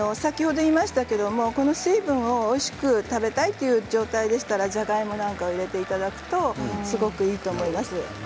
先ほど言いましたけれどこの水分をおいしく食べたいという状態でしたら、じゃがいもなんかを入れていただくとすごくいいと思います。